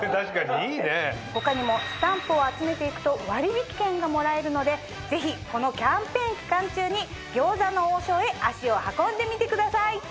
他にもスタンプを集めて行くと割引券がもらえるのでぜひこのキャンペーン期間中に「餃子の王将」へ足を運んでみてください。